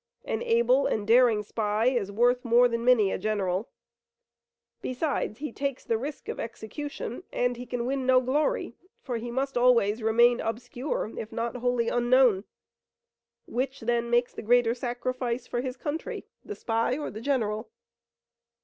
An able and daring spy is worth more than many a general. Besides, he takes the risk of execution, and he can win no glory, for he must always remain obscure, if not wholly unknown. Which, then, makes the greater sacrifice for his country, the spy or the general?"